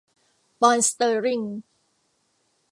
ปอนด์สเตอร์ลิง